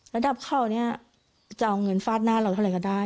ระดับเขาเนี่ยจะเอาเงินฟาดหน้าเราเท่าไรก็ได้